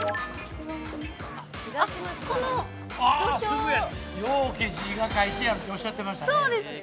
うけ字が書いてあるっておっしゃってましたね。